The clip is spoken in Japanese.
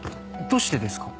どうしてですか？